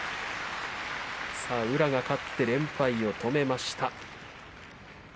宇良が勝って連敗を止めました。